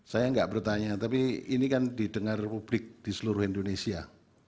saya nggak bertanya tapi ini kan didengar publik di seluruh indonesia